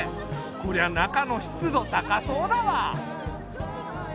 こりゃ中の湿度高そうだわ。